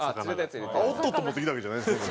おっとっと持ってきたわけじゃないんですね。